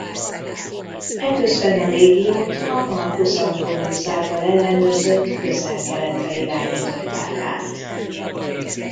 Eközben a légiót a Marcus Antonius által ellenőrzött Közel-Keletre irányították át.